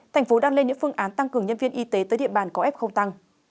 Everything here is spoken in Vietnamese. tp hcm đang lên những phương án tăng cường nhân viên y tế tới địa bàn có f tăng